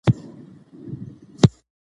هغه وویل چې سبا به ښوونځي ته راسې.